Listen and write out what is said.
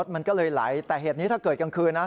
มันก็เลยไหลแต่เหตุนี้ถ้าเกิดกลางคืนนะ